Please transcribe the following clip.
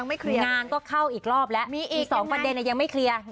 งานก็เข้าอีกรอบแล้วมี๒ประเด็นแต่ยังไม่เคลียร์